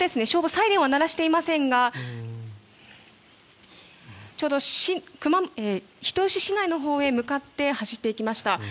サイレンは鳴らしていませんがちょうど人吉市内のほうへ向かって走っていきました。